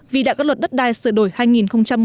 vì đã có luật đất đai sửa đổi hai nghìn một mươi ba